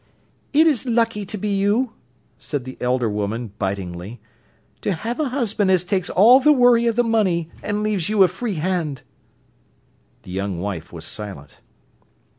"It is lucky to be you," said the elder woman, bitingly, "to have a husband as takes all the worry of the money, and leaves you a free hand." The young wife was silent.